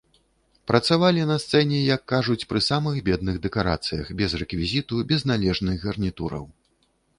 Працавалі на сцэне, як кажуць, пры самых бедных дэкарацыях, без рэквізіту, без належных гарнітураў.